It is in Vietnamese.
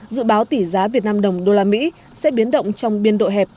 dự báo tỷ giá việt nam đồng đô la mỹ sẽ biến động trong biên độ hẹp